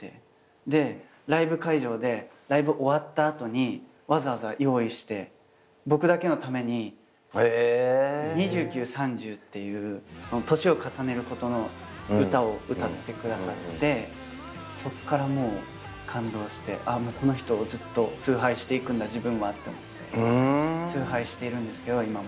でライブ会場でライブ終わった後にわざわざ用意して僕だけのために『二十九、三十』っていう年を重ねることの歌を歌ってくださってそっからもう感動してこの人をずっと崇拝していくんだ自分はって思って崇拝しているんですけど今も。